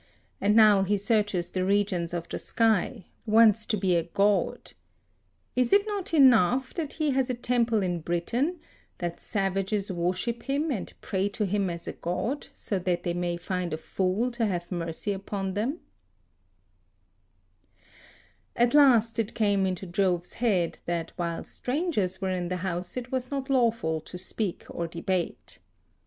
] and now he searches the regions of the sky, wants to be a god. Is it not enough that he has a temple in Britain, that savages worship him and pray to him as a god, so that they may find a fool [Footnote: Again [GREEK: morou] for [GREEK: theou] as in ch. 6.] to have mercy upon them?" At last it came into Jove's head, that while strangers 9 were in the House it was not lawful to speak or debate.